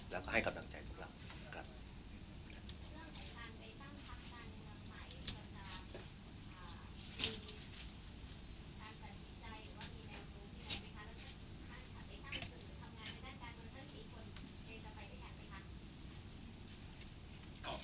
แล้วก็ให้กำลังใจพวกเรานะครับ